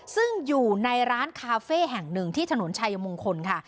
ซึ่งอยู่ในร้านคาเฟ่แห่งหนึ่งที่ถนนชายมงคลค่ะ